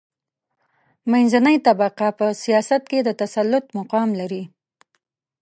منځنۍ طبقه په سیاست کې د تسلط مقام لري.